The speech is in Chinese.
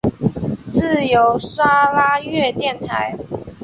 自由砂拉越电台。